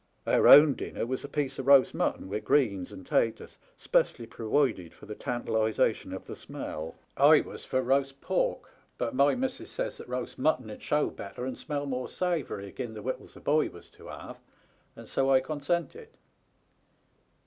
Our own dinner was a piece o' roast mutton, with greens and •taters, 'spressly prowided for the tantalization of 276 ''THAT THERE LITTLE TOMMY,"* the smell. I was far roast pork, but my missis says that roast mutton 'ud show better and smell more savoury agin the wittles the boy was to have, and so I consented.